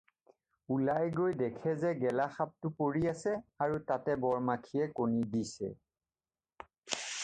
ওলাই গৈ দেখে যে গেলা সাপটো পৰি আছে আৰু তাতে বৰ মাখিয়ে কণী দিছে।